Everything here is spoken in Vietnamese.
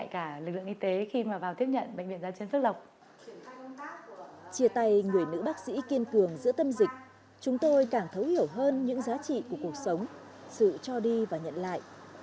chia tay người nữ bác sĩ kiên cường giữa tâm dịch chúng tôi càng thấu hiểu hơn những giá trị của cuộc sống sự cho đi và nhận lại